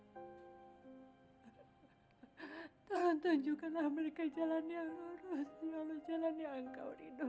ya allah kau biarkan mereka terjuruhmu salam dosa ya allah